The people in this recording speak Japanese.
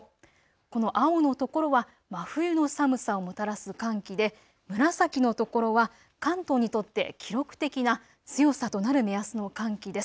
この青のところは真冬の寒さをもたらす寒気で紫の所は関東にとって記録的な強さとなる目安の寒気です。